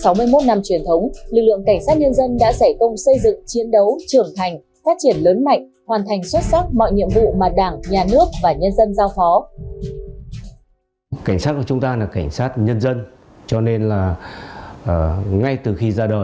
sáu mươi một năm truyền thống lực lượng cảnh sát nhân dân đã giải công xây dựng chiến đấu trưởng thành phát triển lớn mạnh